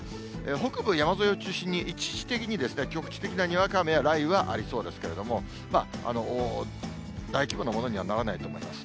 北部山沿いを中心に、一時的に局地的なにわか雨や雷雨がありそうですけれども、大規模なものにはならないと思います。